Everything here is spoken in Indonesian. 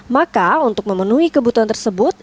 maka untuk memenuhi kebutuhan tersebut